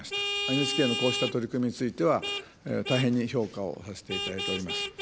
ＮＨＫのこうした取り組みについては、大変に評価をさせていただいております。